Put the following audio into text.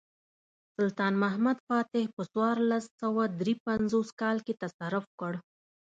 سلطان محمد فاتح په څوارلس سوه درې پنځوس کال کې تصرف کړ.